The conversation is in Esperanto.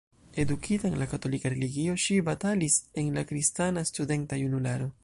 Edukita en la katolika religio, ŝi batalis en la kristana studenta junularo.